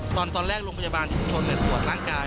ตอนแรกโรงพยาบาลชุมทนเนี่ยปวดร่างกาย